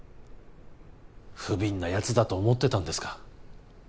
ふびんなやつだと思ってたんですか？